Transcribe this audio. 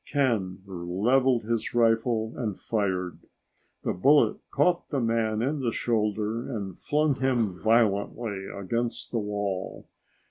Ken leveled his rifle and fired. The bullet caught the man in the shoulder and flung him violently against the wall.